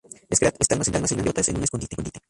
Scrat está almacenando sus bellotas en un escondite.